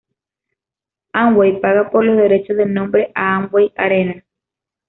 Amway paga por los derechos del nombre a Amway Arena.